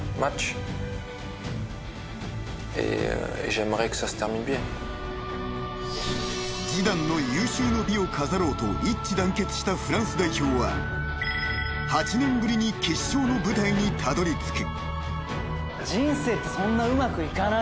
［ジダンの有終の美を飾ろうと一致団結したフランス代表は８年ぶりに決勝の舞台にたどり着く］